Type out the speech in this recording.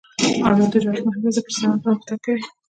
آزاد تجارت مهم دی ځکه چې صنعت پرمختګ کوي.